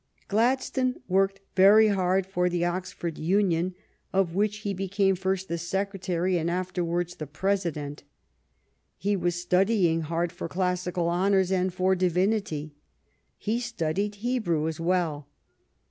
Gladstone worked very hard for the Oxford Union, of which he became first the Secretary and afterwards the President. He was studying hard for classical honors and for divinity. He studied Hebrew as well.